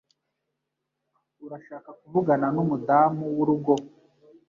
Urashaka kuvugana numudamu wurugo?